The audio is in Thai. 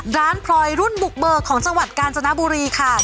พลอยรุ่นบุกเบอร์ของจังหวัดกาญจนบุรีค่ะ